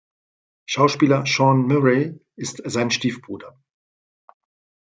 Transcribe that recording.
Schauspieler Sean Murray ist sein Stiefbruder.